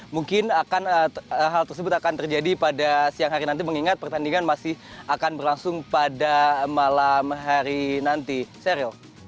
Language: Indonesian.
mungkin hal tersebut akan terjadi pada siang hari nanti mengingat pertandingan masih akan berlangsung pada malam hari nanti seril